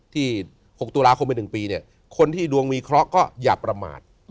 ๖ตุลาคมไป๑ปีเนี่ยคนที่ดวงมีเคราะห์ก็อย่าประมาท